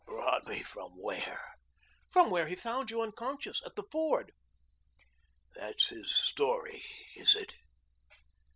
"Brought me from where?" "From where he found you unconscious at the ford." "That's his story, is it?"